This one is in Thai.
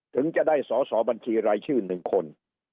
ถึงจะได้สอสอบัญชีรายชื่อ๑คน